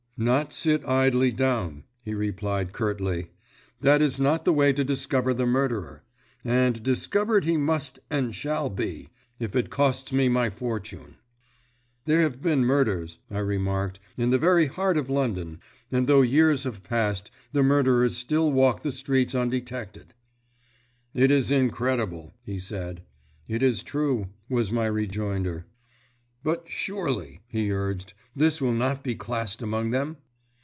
"Not sit idly down," he replied curtly. "That is not the way to discover the murderer; and discovered he must and shall be, if it costs me my fortune." "There have been murders," I remarked, "in the very heart of London, and though years have passed, the murderers still walk the streets undetected." "It is incredible," he said. "It is true," was my rejoinder. "But surely," he urged, "this will not be classed among them?"